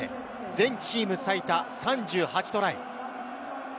全チーム最多３８トライ。